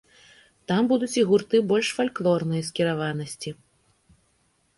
Там будуць і гурты больш фальклорнай скіраванасці.